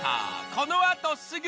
このあとすぐ！